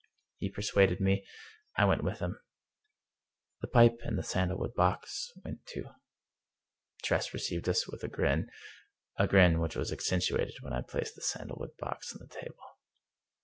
He persuaded me. I went with him. The pipe, in the sandalwood box, went too. Tress received us with a grin — a grin which was accentuated when I placed the sandal wood box on the table.